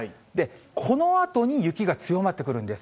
このあとに雪が強まってくるんです。